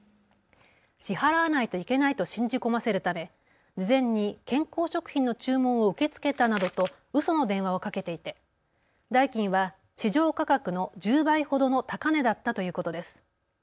支払わないといけないと信じ込ませるため事前に健康食品の注文を受け付けたなどとうその電話をかけていて代金は市場価格の１０倍ほどの高値だったということです。